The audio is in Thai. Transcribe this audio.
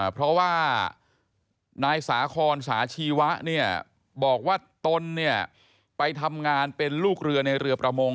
เพราะว่านายสาคอนสาชีวะเนี่ยบอกว่าตนเนี่ยไปทำงานเป็นลูกเรือในเรือประมง